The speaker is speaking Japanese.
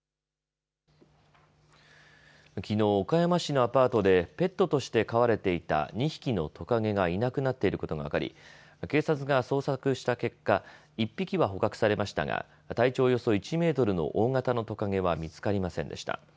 きのう岡山市のアパートでペットとして飼われていた２匹のトカゲがいなくなっていることが分かり警察が捜索した結果、１匹は捕獲されましたが体長およそ１メートルの大型のトカゲは見つかりませんでした。